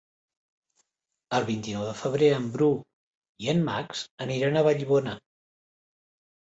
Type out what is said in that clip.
El vint-i-nou de febrer en Bru i en Max aniran a Vallibona.